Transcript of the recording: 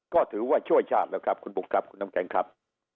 ก็ถือว่าช่วยชาติแล้วครับคุณบุ๊คครับคุณน้ำแข็งครับ